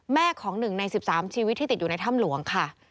ของ๑ใน๑๓ชีวิตที่ติดอยู่ในถ้ำหลวงค่ะ